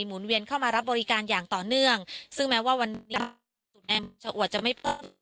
หมุนเวียนเข้ามารับบริการอย่างต่อเนื่องซึ่งแม้ว่าวันนี้จะไม่